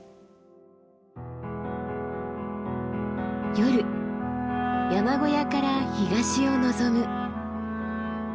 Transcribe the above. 夜山小屋から東を望む。